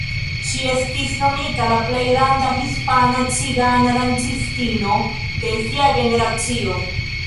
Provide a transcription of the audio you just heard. Ŝi estis nomita "la plej granda hispana cigana dancistino de sia generacio".